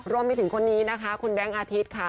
รวมไปถึงคนนี้นะคะคุณแบงค์อาทิตย์ค่ะ